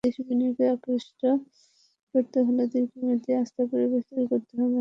বিদেশি বিনিয়োগ আকৃষ্ট করতে হলে দীর্ঘমেয়াদি আস্থার পরিবেশ তৈরি করতে হবে।